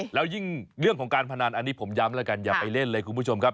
แล้วยิ่งเรื่องของการพนันอันนี้ผมย้ำแล้วกันอย่าไปเล่นเลยคุณผู้ชมครับ